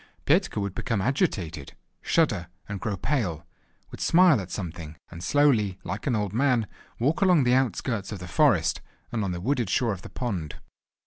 Petka would become agitated, shudder, and grow pale, would smile at something, and slowly, like an old man, walk along the outskirts of the forest, and on the wooded shore of the pond.